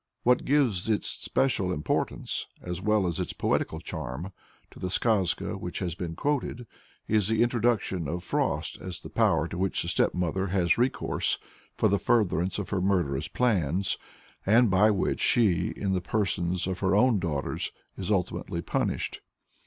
What gives its special importance, as well as its poetical charm, to the skazka which has been quoted, is the introduction of Frost as the power to which the stepmother has recourse for the furtherance of her murderous plans, and by which she, in the persons of her own daughters, is ultimately punished.